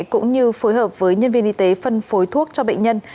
cũng như phối hợp với nhân viên y tế phân phối thuốc cho bệnh nhân